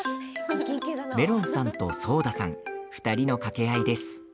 めろんさんと、そーださん２人の掛け合いです。